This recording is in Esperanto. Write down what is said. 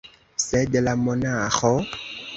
Sed la monaĥo?